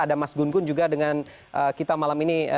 ada mas gun gun juga dengan kita malam ini